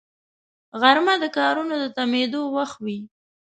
غرمه د کارونو د تمېدو وخت وي